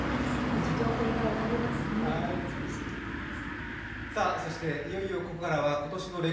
情景が浮かびますね、美しかったです。